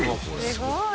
すごい。